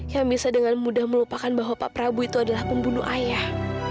yang bisa dengan mudah melupakan bahwa pak prabu itu adalah pembunuh ayah